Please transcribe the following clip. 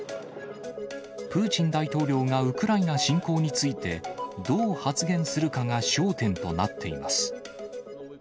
プーチン大統領がウクライナ侵攻について、どう発言するかが焦点となっています。